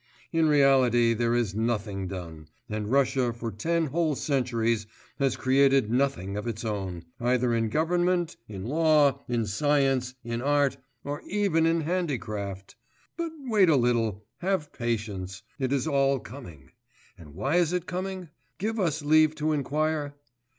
In reality there is nothing done, and Russia for ten whole centuries has created nothing of its own, either in government, in law, in science, in art, or even in handicraft.... But wait a little, have patience; it is all coming. And why is it coming; give us leave to inquire?